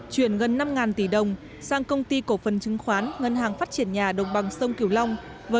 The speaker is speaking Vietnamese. chuyển gần năm tỷ đồng sang công ty cổ phần chứng khoán ngân hàng phát triển nhà đồng bằng sông kiều long